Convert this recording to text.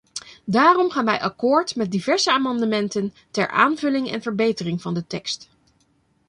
Daarom gaan wij akkoord met diverse amendementen ter aanvulling en verbetering van de tekst.